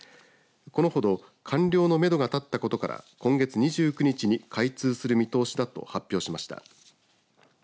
このほど完了のめどが立ったことから今月２９日に開通する見通しだと発表しました。